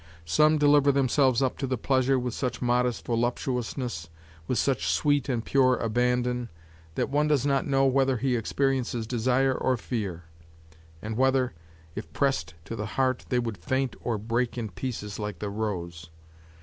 Some deliver themselves up to the pleasure with such modest voluptuousness, with such sweet and pure abandon that one does not know whether he experiences desire or fear, and whether, if pressed to the heart they would faint or break in pieces like the rose.